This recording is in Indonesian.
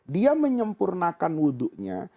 dia menyempurnakan wudunya